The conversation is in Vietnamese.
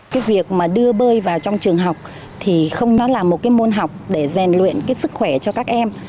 cái việc mà đưa bơi vào trong trường học thì không nó là một cái môn học để rèn luyện cái sức khỏe cho các em